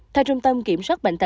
theo trung tâm kiểm soát bệnh